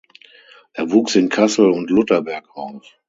Er wuchs in Kassel und Lutterberg auf.